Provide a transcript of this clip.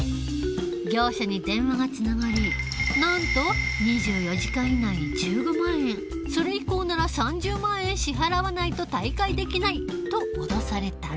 業者に電話がつながりなんと「２４時間以内に１５万円それ以降なら３０万円支払わないと退会できない」と脅された。